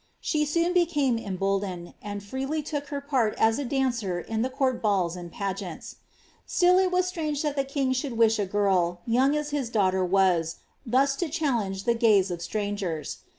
She soon became emboldened, and freely look her part as a dancer in the court balls and pageants. Still it was stiange thM the king should wish a girl, young as his daughter, thus to challenge the gaze of strangers.